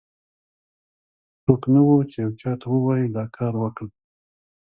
څوک نه و، چې یو چا ته ووایي دا کار وکړه.